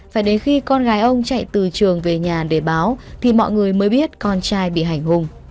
phải đến khi con gái ông chạy từ trường về nhà để báo thì mọi người mới biết con trai bị hành hùng